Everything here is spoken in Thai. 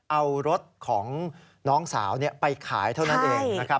เอารถของน้องสาวไปขายเท่านั้นเองนะครับ